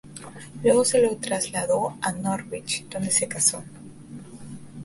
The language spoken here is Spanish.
Luego se lo trasladó a Norwich, donde se casó.